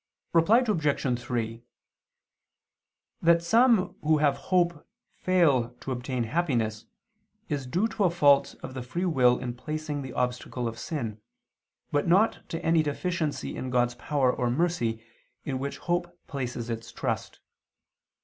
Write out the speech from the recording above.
Reply Obj. 3: That some who have hope fail to obtain happiness, is due to a fault of the free will in placing the obstacle of sin, but not to any deficiency in God's power or mercy, in which hope places its trust.